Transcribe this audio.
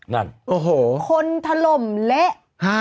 คนถล่มเละ